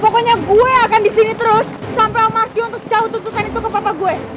pokoknya gue akan disini terus sampai om arsya untuk jauh tutupkan itu ke papa gue